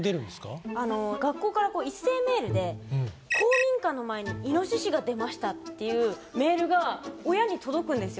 学校から一斉メールで公民館の前にイノシシが出ましたっていうメールが親に届くんですよ。